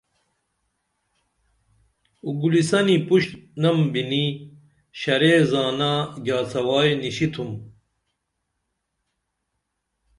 اُگولیسنی پُشنم بِنی شرے زانہ گیاڅوائی نِشتُھم